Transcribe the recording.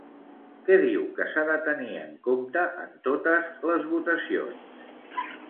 Què diu que s'ha de tenir en compte en totes les votacions?